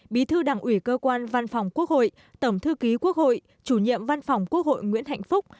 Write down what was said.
bí thư đảng ủy cơ quan văn phòng quốc hội tổng thư ký quốc hội chủ nhiệm văn phòng quốc hội nguyễn hạnh phúc